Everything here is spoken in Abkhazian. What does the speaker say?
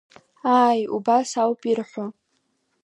Ааи, убас ауп ирҳәо.